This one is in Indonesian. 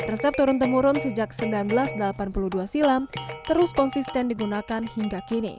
resep turun temurun sejak seribu sembilan ratus delapan puluh dua silam terus konsisten digunakan hingga kini